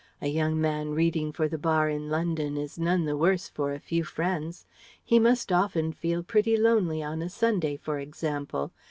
A young man reading for the Bar in London is none the worse for a few friends. He must often feel pretty lonely on a Sunday, for example.